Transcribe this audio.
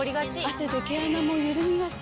汗で毛穴もゆるみがち。